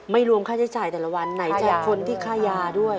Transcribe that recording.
รวมค่าใช้จ่ายแต่ละวันไหนจากคนที่ค่ายาด้วย